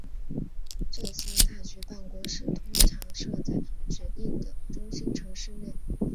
这些大区办公室通常设在指定的中心城市内。